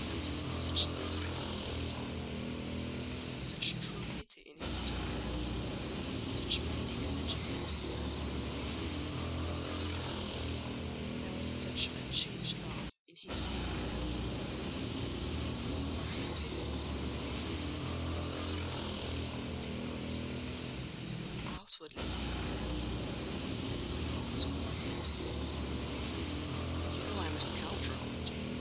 There was such deep remorse in his eye, such true pity in his tone, such manly energy in his manner; and besides, there was such unchanged love in his whole look and mien—I forgave him all: yet not in words, not outwardly; only at my heart's core. "You know I am a scoundrel, Jane?"